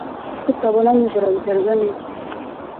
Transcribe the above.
kutabona nijoro biterwa n'iki